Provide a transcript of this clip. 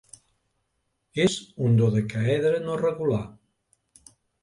És un dodecàedre no regular.